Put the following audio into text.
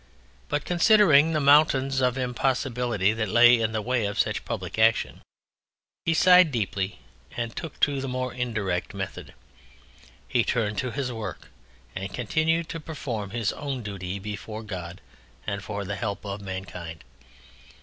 But considering the mountains of impossibility that lay in the way of such public action, he sighed deeply and took to the more indirect method. He turned to his work and continued to perform his own duty before God and for the help of mankind.